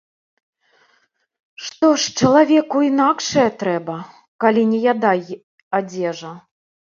Што ж чалавеку інакшае трэба, калі не яда й адзежа?